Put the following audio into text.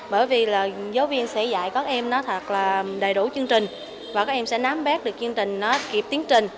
bởi vì giáo viên sẽ dạy các em đầy đủ chương trình và các em sẽ nám bác được chương trình kịp tiến trình